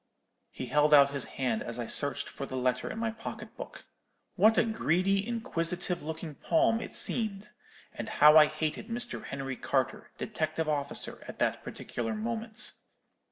"He held out his hand as I searched for the letter in my pocket book. What a greedy, inquisitive looking palm it seemed! and how I hated Mr. Henry Carter, detective officer, at that particular moment!